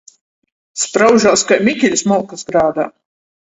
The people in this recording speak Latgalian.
Spraužās kai Mikeļs molkys grādā.